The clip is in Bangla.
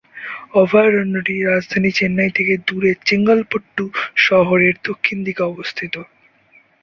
অভয়ারণ্যটি রাজধানী চেন্নাই থেকে দূরে চেঙ্গলপট্টু শহরের দক্ষিণ দিকে অবস্থিত।